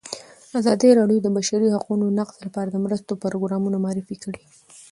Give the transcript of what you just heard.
ازادي راډیو د د بشري حقونو نقض لپاره د مرستو پروګرامونه معرفي کړي.